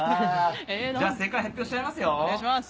正解、発表しちゃいますよ。